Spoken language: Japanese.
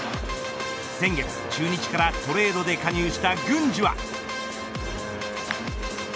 先月、中日からトレードで加入した郡司は。